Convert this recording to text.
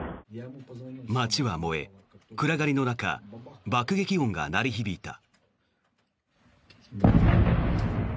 街は燃え、暗がりの中爆撃音が鳴り響いた。